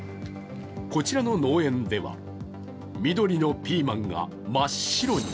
こちらの農園では緑のピーマンが真っ白に。